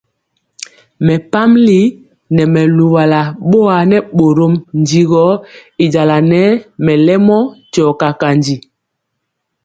Mɛpamili nɛ mɛ luwala bɔa nɛ bórɔm ndi gɔ y jala nɛ mɛlɛmɔ tiɔ kakanji.